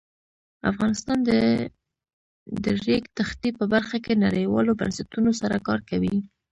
افغانستان د د ریګ دښتې په برخه کې نړیوالو بنسټونو سره کار کوي.